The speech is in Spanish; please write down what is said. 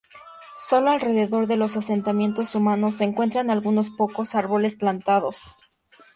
Sólo alrededor de los asentamientos humanos se encuentran algunos pocos árboles plantados.